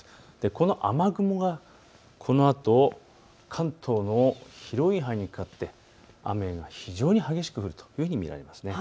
この雨雲がこのあと関東の広い範囲にかかって、雨が非常に激しく降るというふうに見られます。